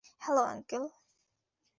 Hello, uncle.